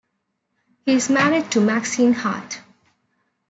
He is married to Maxine Hart.